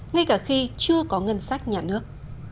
ngay cả khi chưa có ngân sách nhà nước